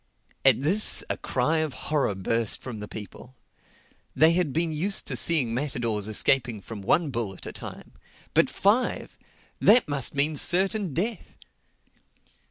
At this a cry of horror burst from the people. They had been used to seeing matadors escaping from one bull at a time. But five!—That must mean certain death.